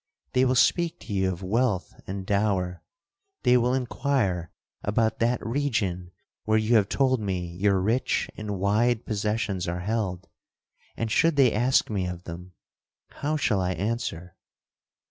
They will speak to you of wealth and dower; they will inquire about that region where you have told me your rich and wide possessions are held; and should they ask me of them, how shall I answer?'